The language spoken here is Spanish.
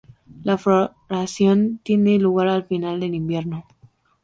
La floración tiene lugar al final del invierno.